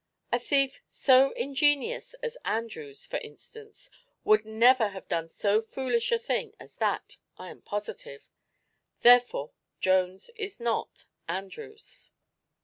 A thief so ingenious as Andrews, for instance, would never have done so foolish a thing as that, I am positive. Therefore, Jones is not Andrews.